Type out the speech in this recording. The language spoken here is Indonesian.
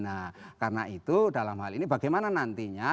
nah karena itu dalam hal ini bagaimana nantinya